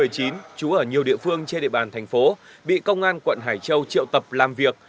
trú ở nhiều địa phương trên địa bàn thành phố bị công an quận hải châu triệu tập làm việc